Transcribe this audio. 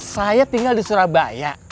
saya tinggal di surabaya